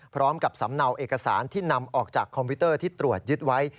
สำหรับสำเนาเอกสารที่นำออกจากคอมพิวเตอร์ที่ตรวจยึดไว้